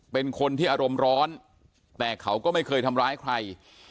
เป็นคนที่อารมณ์ร้อนแต่เขาก็ไม่เคยทำร้ายใคร